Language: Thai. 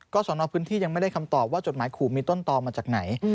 สอนอพื้นที่ยังไม่ได้คำตอบว่าจดหมายขู่มีต้นตอมาจากไหน